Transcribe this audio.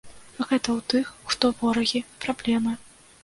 Гэта ў тых, хто ворагі, праблемы.